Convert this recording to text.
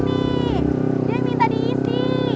dia minta diisi